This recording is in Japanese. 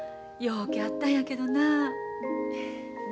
うけあったんやけどなあ。